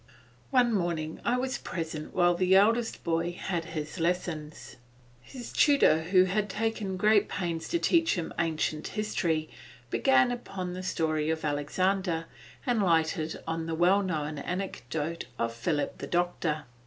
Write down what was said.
One morning I was present while the eldest boy had his lessons. His tutor, who had taken great pains to teach him ancient history, began upon the story of Alexander and lighted on the well known anecdote of Philip the Doctor.